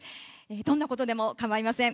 どんなことでも構いません。